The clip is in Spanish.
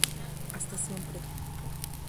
Hasta siempre.